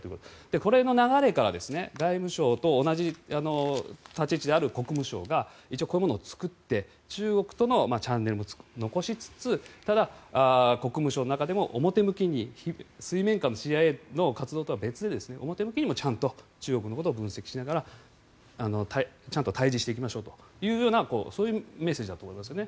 これの流れから外務省と同じ立ち位置である国務省が一応、こういうものを作って中国とのチャンネルも残しつつただ、国務省の中でも表向きに水面下のＣＩＡとの活動とは別に表向きにもちゃんと中国のことを分析しながらちゃんと対峙していきましょうというそういうメッセージだと思いますね。